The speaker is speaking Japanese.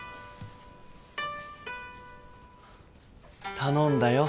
頼んだよ。